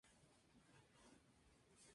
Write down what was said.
En el mismo sentido, cf.